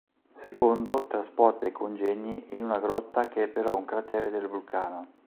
Secondo, trasporta i congegni in una grotta che è però un cratere del vulcano.